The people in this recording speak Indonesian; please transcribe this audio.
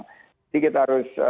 jadi kita harus